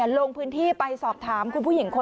ลงพื้นที่ไปสอบถามคุณผู้หญิงคน